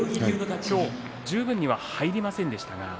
今日、十分には入りませんでしたか？